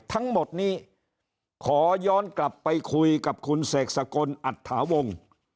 ทั้งหมดนี้ขอย้อนกลับไปคุยกับคุณเสกสกลอัตถาวงศ์